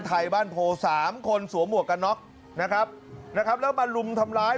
ใทบ้านโพ๋๓คนสวมวกกนอกนะครับแล้วมารุ่มทำร้าย